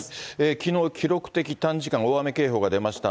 きのう、記録的短時間大雨警報が出ました